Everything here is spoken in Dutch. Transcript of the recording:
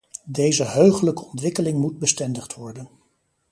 Deze heugelijke ontwikkeling moet bestendigd worden.